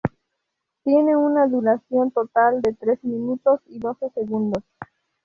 Tiene una duración total de tres minutos y doce segundos.